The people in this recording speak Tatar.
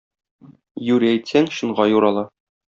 Юри әйтсәң, чынга юрала.